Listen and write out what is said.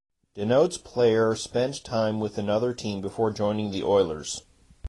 Denotes player spent time with another team before joining the Oilers.